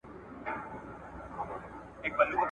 ولي کوښښ کوونکی د مستحق سړي په پرتله خنډونه ماتوي؟